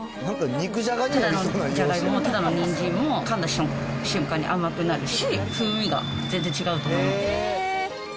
ただのじゃがいも、ただのにんじんもかんだ瞬間に甘くなるし、風味が全然違うと思います。